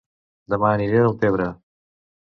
Dema aniré a Deltebre